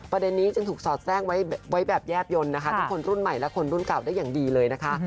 ประเด็นนี้จึงถูกสอดแทรกไว้แบบแยบยนต์นะคะทั้งคนรุ่นใหม่และคนรุ่นเก่าได้อย่างดีเลยนะคะ